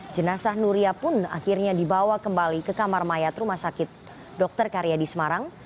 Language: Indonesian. jenazah nuriya pun akhirnya dibawa kembali ke kamar mayat rumah sakit dokter karya di semarang